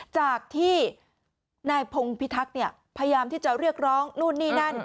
จากที่นายพงพิทักษ์พยายามที่จะเรียกร้องนู่นนี่นั่น